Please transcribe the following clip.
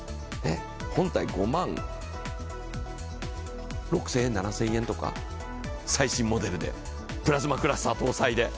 本体５万６０００円、７０００円とかでプラズマクラスター搭載で。